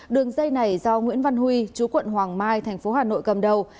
đường dây này do nguyễn văn huy chú quận hoàng mai thành phố hà nội cầm đầu